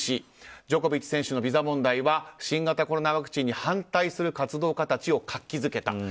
ＢＢＣ、ジョコビッチ選手のビザ問題は新型コロナワクチンに反対する活動家たちを活気づけた。